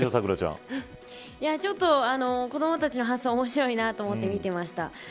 ちょっと子どもたちの発想が面白いなと思って見てました。